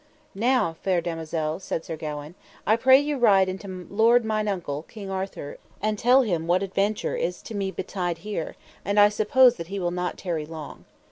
Now, fair damosel, said Sir Gawaine, I pray you ride unto my lord mine uncle, King Arthur, and tell him what adventure is to me betid here, and I suppose he will not tarry long.